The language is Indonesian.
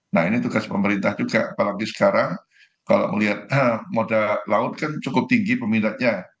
nah ini tugas pemerintah juga apalagi sekarang kalau melihat modal laut kan cukup tinggi peminatnya